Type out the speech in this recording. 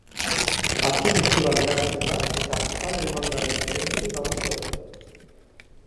Arkitekturan erabiltzen da, eta Kanoi-gangaren elementu nagusia da.